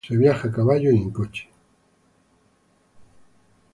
Se viaja a caballo y en coche.